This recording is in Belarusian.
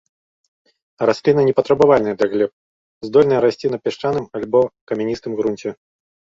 Расліна не патрабавальная да глеб, здольная расці на пясчаным або камяністым грунце.